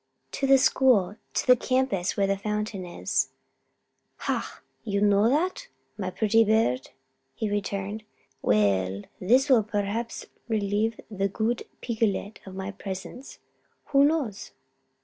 "To the school. To the campus where the fountain is." "Ha! you know that, my pretty bird?" he returned. "Well! this will perhaps relieve the good Picolet of my presence who knows?"